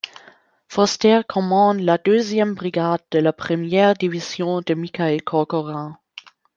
Foster commande la deuxième brigade de la première division de Michael Corcoran.